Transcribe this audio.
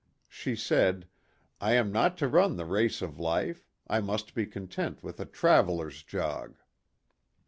She said, " I am not to run the race of life I must be content with a traveler's jog."